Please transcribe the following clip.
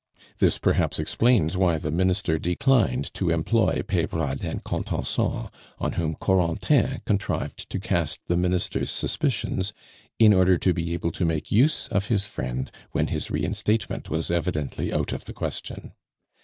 This perhaps explains why the Minister declined to employ Peyrade and Contenson, on whom Corentin contrived to cast the Minister's suspicions, in order to be able to make use of his friend when his reinstatement was evidently out of the question.